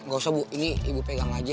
gak usah bu ini ibu pegang aja